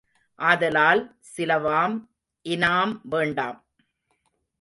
ஆதலால் சிலவாம் இனாம் வேண்டாம்.